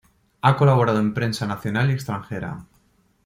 Ha colaborado en prensa nacional y extranjera.